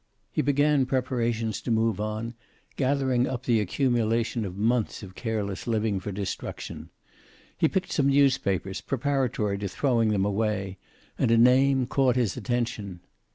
He began preparations to move on, gathering up the accumulation of months of careless living for destruction. He picked up some newspapers preparatory to throwing them away, and a name caught his attention.